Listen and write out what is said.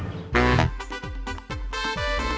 tidak ada tablu